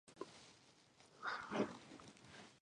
頭を土につけ、口に玉をふくむこと。謝罪降伏するときの儀式のこと。